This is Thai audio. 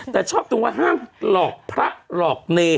แต่ชอบตรงว่าห้ามหลอกพระหลอกเนร